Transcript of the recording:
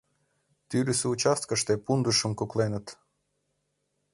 Тӱрысӧ участкыште пундышым кукленыт.